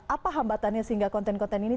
apa hambatannya sehingga konten konten ini